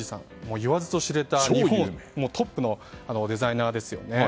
言わずと知れた日本トップのデザイナーですよね。